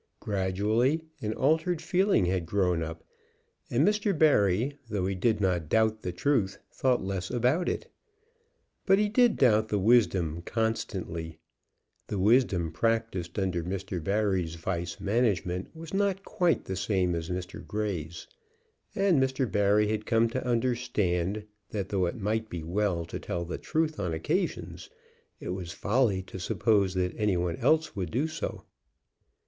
Gradually an altered feeling had grown up; and Mr. Barry, though he did not doubt the truth, thought less about it. But he did doubt the wisdom constantly. The wisdom practised under Mr. Barry's vice management was not quite the same as Mr. Grey's. And Mr. Barry had come to understand that though it might be well to tell the truth on occasions, it was folly to suppose that any one else would do so.